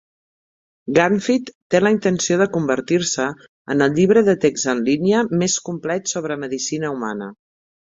Ganfyd té la intenció de convertir-se en el llibre de text en línia més complet sobre medicina humana.